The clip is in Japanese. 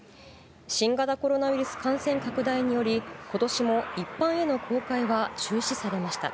新型コロナウイルス感染拡大により、ことしも一般への公開は中止されました。